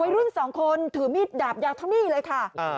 รุ่นสองคนถือมีดดาบยาวเท่านี้เลยค่ะ